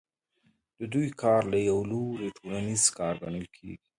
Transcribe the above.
د دوی کار له یوه لوري ټولنیز کار ګڼل کېږي